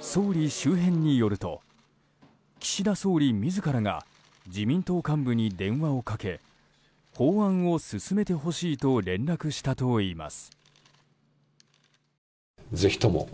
総理周辺によると岸田総理自らが自民党幹部に電話をかけ法案を進めてほしいと連絡したといいます。